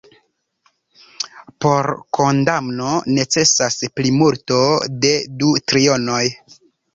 Por kondamno necesas plimulto de du trionoj.